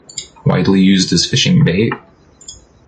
Widely used as fishing bait.